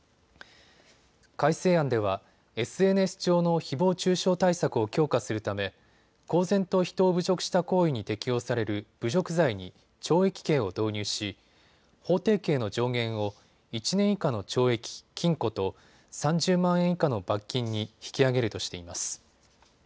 改正案ではＳＮＳ上のひぼう中傷対策を強化するため公然と人を侮辱した行為に適用される侮辱罪に懲役刑を導入し法定刑の上限を１年以下の懲役・禁錮と３０万円以下の罰金に引き上げるとしています。